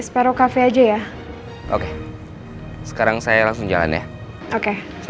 mau ketemu dimana ya